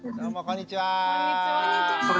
こんにちは。